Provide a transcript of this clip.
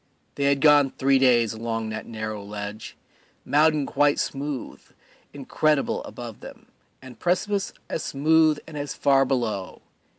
They had gone three days along that narrow ledge: mountain quite smooth, incredible, above them, and precipice as smooth and as far below.